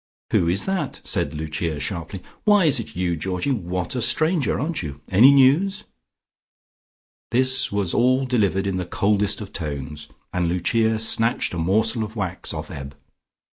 "Who is that?" said Lucia sharply. "Why is it you, Georgie? What a stranger. Aren't you? Any news?" This was all delivered in the coldest of tones, and Lucia snatched a morsel of wax off Eb.